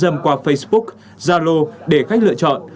thắng sẽ gửi ảnh qua facebook zalo để khách lựa chọn